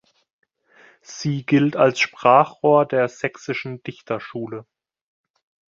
Sie gilt als Sprachrohr der sächsischen Dichterschule.